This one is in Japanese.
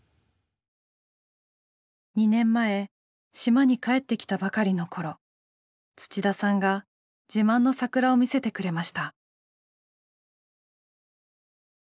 ２年前島に帰ってきたばかりの頃土田さんが自慢の桜を見せてくれました。